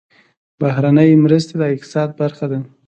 بهرنۍ مرستې د اقتصاد برخه ده